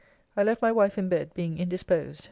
I left my wife in bed, being indisposed...